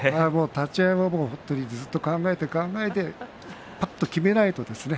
立ち合いずっと考えて、考えてぱっと決めないとですね。